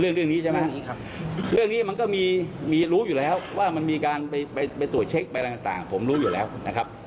เรื่องนี้ใช่ไหมเรื่องนี้มันก็มีรู้อยู่แล้วว่ามันมีการไปตรวจเช็คไปอะไรต่างผมรู้อยู่แล้วนะครับ